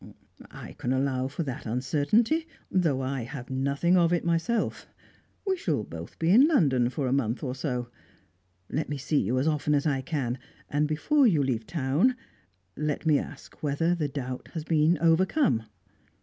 "I can allow for that uncertainty though I have nothing of it myself. We shall both be in London for a month or so. Let me see you as often as I can, and, before you leave town, let me ask whether the doubt has been overcome."